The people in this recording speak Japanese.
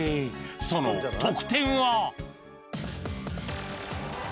その得点は？